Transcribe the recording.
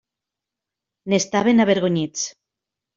N'estaven avergonyits.